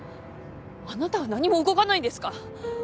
あなたは何も動かないんですか？